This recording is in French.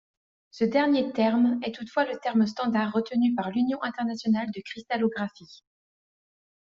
Ce dernier terme est toutefois le terme standard retenu par l'Union internationale de cristallographie.